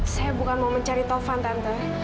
saya bukan mau mencari taufan tante